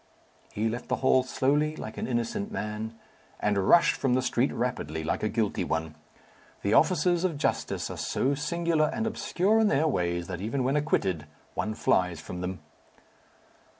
He left the hall slowly, like an innocent man, and rushed from the street rapidly, like a guilty one. The officers of justice are so singular and obscure in their ways that even when acquitted one flies from them.